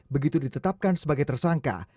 begitu ditetapkan sebagai tersangka